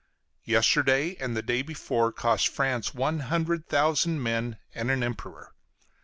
Yesterday and the day before cost France one hundred thousand men and an Emperor.